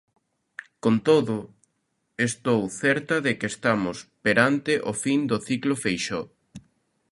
Con todo, estou certa de que estamos perante o fin do ciclo Feixóo.